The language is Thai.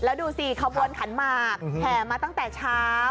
แล้วดูสิขบวนขันหมากแห่มาตั้งแต่เช้า